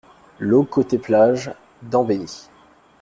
LOT COTE PLAGE, Dembéni